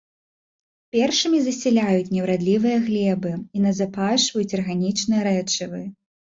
Першымі засяляюць неўрадлівыя глебы і назапашваюць арганічныя рэчывы.